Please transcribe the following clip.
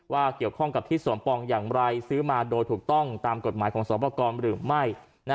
ว่าเกี่ยวข้องกับทิศสมปองอย่างไรซื้อมาโดยถูกต้องตามกฎหมายของสอบประกอบหรือไม่